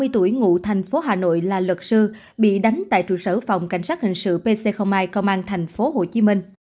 ba mươi tuổi ngụ thành phố hà nội là luật sư bị đánh tại trụ sở phòng cảnh sát hình sự pc hai công an thành phố hồ chí minh